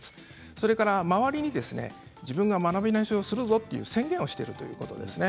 それから周りに自分が学び直しをすると宣言をしていることですね。